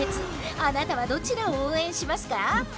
あなたはどちらを応援しますか？